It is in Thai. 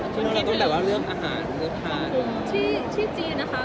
ช่างนอกเราก็ต้องลืมอาหาร